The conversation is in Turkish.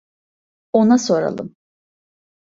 Ona soralım.